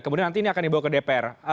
kemudian nanti ini akan dibawa ke dpr